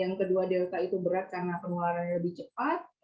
yang kedua delta itu berat karena penularannya lebih cepat